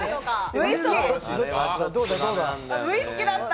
無意識だった！